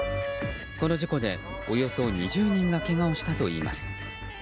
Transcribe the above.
この事故で、およそ２０人がけがをしたといいます。